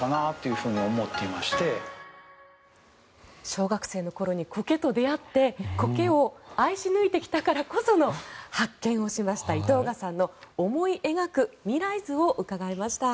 小学生の頃にコケと出会ってコケを愛し抜いてきたからこその発見をしました井藤賀さんの思い描く未来図を伺いました。